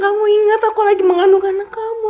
kamu ingat aku lagi mengandung anak kamu